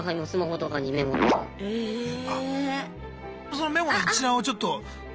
そのメモの一覧をちょっと。